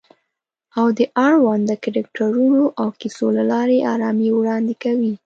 او د اړونده کرکټرونو او کیسو له لارې آرامي وړاندې کوي